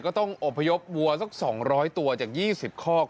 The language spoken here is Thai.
ก็ต้องอบพยพวัวสัก๒๐๐ตัวจาก๒๐คอก